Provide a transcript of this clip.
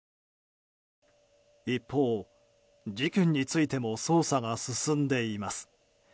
一方、事件についても捜査が進んでいます。